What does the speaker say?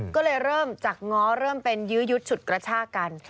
ก็เลยเริ่มจากง้อเริ่มเป็นยื้อยุดฉุดกระชากัน